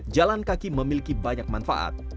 jalan kaki memiliki banyak manfaat